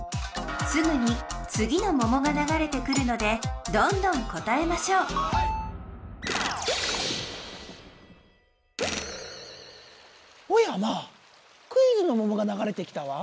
すぐに次のももがながれてくるのでどんどん答えましょうおやまあクイズのももがながれてきたわ。